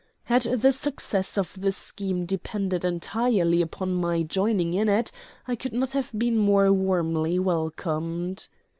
Had the success of the scheme depended entirely upon my joining in it, I could not have been more warmly welcomed.